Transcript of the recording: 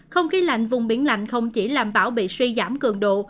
không khí lạnh vùng biển lạnh không chỉ làm bão bị suy giảm cường độ